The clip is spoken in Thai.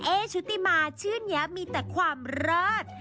ชุติมาชื่อนี้มีแต่ความเลิศ